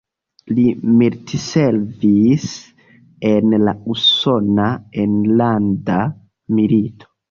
Li militservis en la Usona Enlanda Milito.